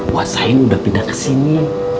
wah sain udah pindah ke sini